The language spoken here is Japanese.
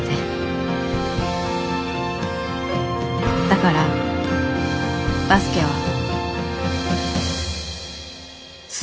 だからバスケは。